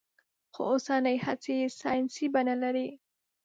خو اوسنۍ هڅې يې ساينسي بڼه لري.